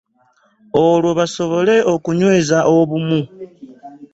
Olwo basobole okunyweza obumu